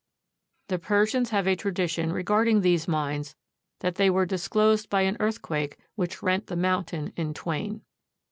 The Persians have a tradition regarding these mines that they were disclosed by an earthquake which rent the mountain in twain.